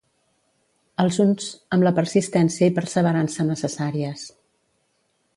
Els uns, amb la persistència i perseverança necessàries.